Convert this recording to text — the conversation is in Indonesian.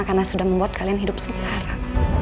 karena sudah membuat kalian hidup secara